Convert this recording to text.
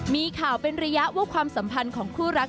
มีข่าวเป็นระยะว่าความสัมพันธ์ของคู่รัก